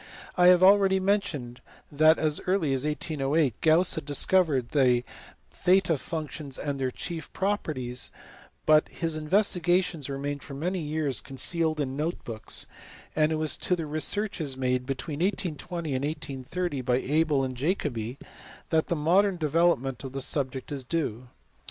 I have already mentioned that as early as 1808 Gauss had discovered the theta functions and their chief properties, but his investigations remained for many years concealed in his note books ; and it was to the researches made between 1820 and 1830 by Abel and Jacobi that the modern development of the subject is due.